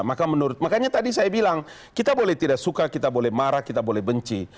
maka menurut makanya tadi saya bilang kita boleh tidak suka kita boleh marah kita boleh benci